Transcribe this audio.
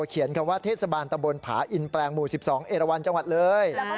เขียนคำว่าเทศบาลตะบนผาอินแปลงหมู่๑๒เอราวันจังหวัดเลย